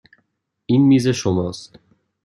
این میز شماست.